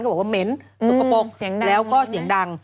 ชาวบ้านก็บอกว่าเม็ดทุกแล้วก็เสียงดัง